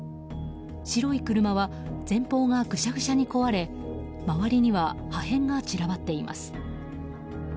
白い車は前方がぐしゃぐしゃに壊れ周りには破片が散らばっています。